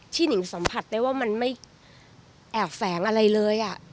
หนิงสัมผัสได้ว่ามันไม่แอบแฝงอะไรเลย